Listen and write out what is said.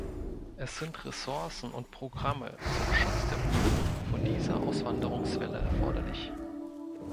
Es sind Ressourcen und Programme zum Schutz der Union vor dieser Auswanderungswelle erforderlich.